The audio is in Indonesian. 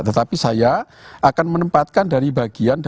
tetapi saya akan menempatkan dari bagian